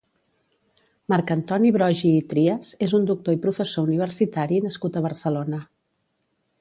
Marc Antoni Broggi i Trias és un doctor i professor universitari nascut a Barcelona.